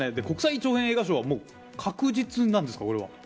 国際長編映画賞は確実なんですか。